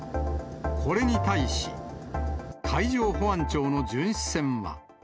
これに対し、海上保安庁の巡視船は。